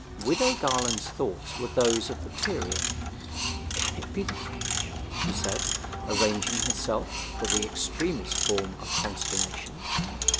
Widow Garland's thoughts were those of the period. 'Can it be the French,' she said, arranging herself for the extremest form of consternation.